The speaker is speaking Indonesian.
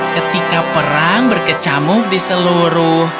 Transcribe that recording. ketika perang berkecamuk di seluruh